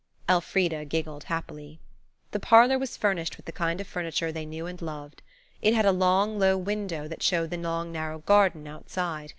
Elfrida giggled happily. The parlour was furnished with the kind of furniture they knew and loved. It had a long, low window that showed the long, narrow garden outside.